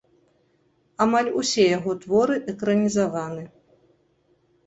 Амаль усе яго творы экранізаваны.